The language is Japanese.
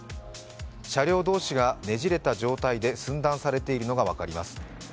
車両同士がねじれた状態で寸断されているのが分かります。